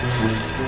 ya itu tak ada siapa